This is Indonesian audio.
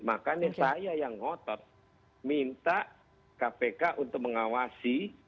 makanya saya yang ngotot minta kpk untuk mengawasi